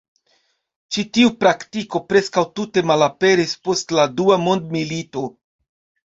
Ĉi tiu praktiko preskaŭ tute malaperis post la dua mondmilito.